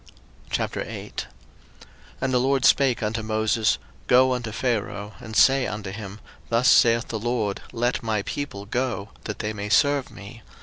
02:008:001 And the LORD spake unto Moses, Go unto Pharaoh, and say unto him, Thus saith the LORD, Let my people go, that they may serve me.